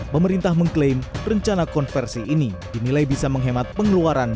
pemerintah mengklaim rencana konversi ini dinilai bisa menghemat pengeluaran